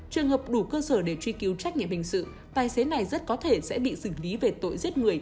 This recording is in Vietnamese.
trường hợp đủ cơ sở để truy cứu trách nhiệm hình sự tài xế này rất có thể sẽ bị xử lý về tội giết người